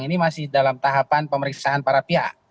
ini masih dalam tahapan pemeriksaan para pihak